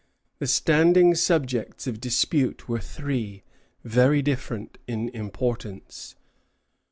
The standing subjects of dispute were three, very different in importance.